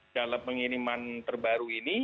dalam pengiriman terbaru ini